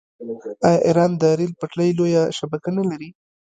آیا ایران د ریل پټلۍ لویه شبکه نلري؟